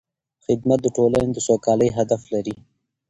خدمت د ټولنې د سوکالۍ هدف لري.